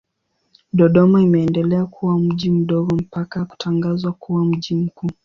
Dodoma imeendelea kuwa mji mdogo mpaka kutangazwa kuwa mji mkuu.